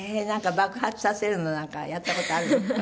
爆発させるのなんかやった事あるの？